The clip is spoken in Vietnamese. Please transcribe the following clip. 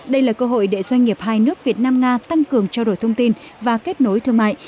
đây là cơ hội để doanh nghiệp hai nước việt nam nga tăng cường trao đổi thông tin và kết nối thương mại